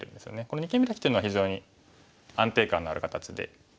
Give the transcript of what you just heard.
この二間ビラキというのは非常に安定感のある形で。